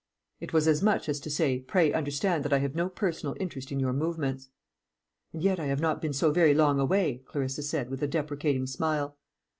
It was as much as to say, Pray understand that I have no personal interest in your movements. "And yet I have not been so very long away," Clarissa said, with a deprecating smile.